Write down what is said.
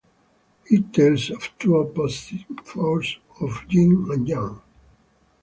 It tells of two opposing forces of Yin and Yang.